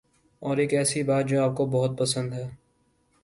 اور ایک ایسی بات جو آپ کو بہت پسند ہے